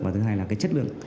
và thứ hai là chất lượng